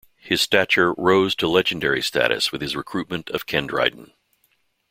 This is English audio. His stature rose to legendary status with the recruitment of Ken Dryden.